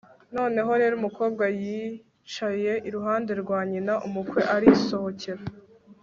noneho rero umukobwa yicaye iruhande rwa nyina, umukwe arisohokera